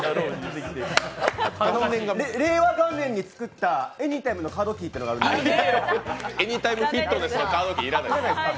令和元年に作ったエニータイムのカードキーというのがあるんですけど。